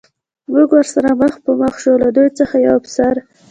موږ ورسره مخ په مخ شو، له دوی څخه یوه افسر.